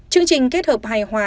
chương trình kết hợp hài hòa